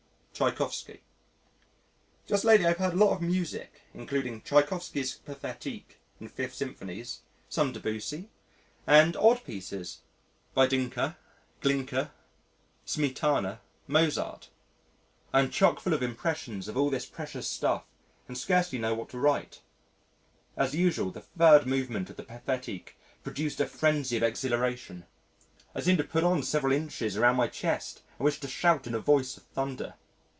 Tschaikovsky Just lately I've heard a lot of music including Tschaikovsky's Pathétique and Fifth Symphonies, some Debussy, and odd pieces by Dukas, Glinka, Smetana, Mozart. I am chock full of impressions of all this precious stuff and scarcely know what to write. As usual, the third movement of the Pathétique produced a frenzy of exhilaration; I seemed to put on several inches around my chest and wished to shout in a voice of thunder.